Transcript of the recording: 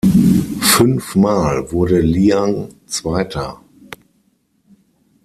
Fünfmal wurde Liang Zweiter.